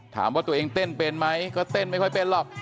ถามว่าตัวเองเต้นเป็นไหมก็เต้นไม่ค่อยเป็นหรอก